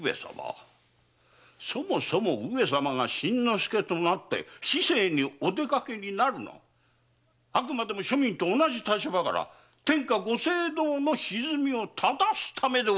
そもそも上様が“新之助”となって市井にお出かけになるのはあくまでも庶民と同じ立場から天下ご政道の歪みを糺すため！